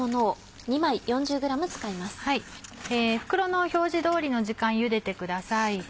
袋の表示通りの時間ゆでてください。